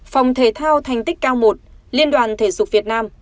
phòng thể thao thành tích cao một liên đoàn thể dục việt nam